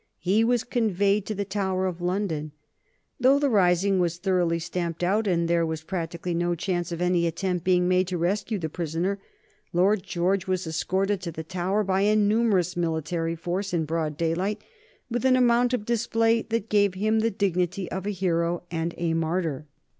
He was conveyed to the Tower of London. Though the rising was thoroughly stamped out, and there was practically no chance of any attempt being made to rescue the prisoner, Lord George was escorted to the Tower by a numerous military force in broad daylight, with an amount of display that gave him the dignity of a hero and a martyr.